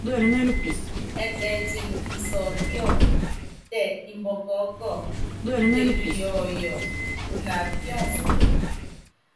Ɛtɛɛtini insɔkíɔ, tɛ imbɔkɔɔ́kɔ, pitelu yɔɔyɔ, tuna píɔnsulɔ.